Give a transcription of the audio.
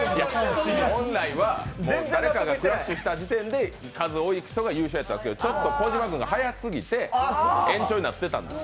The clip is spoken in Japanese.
本来は誰かがクラッシュした時点で数を数えればいいけどちょっと小島君が早すぎて延長になってたんです。